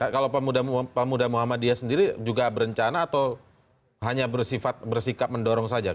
kalau pemuda muhammadiyah sendiri juga berencana atau hanya bersifat bersikap mendorong saja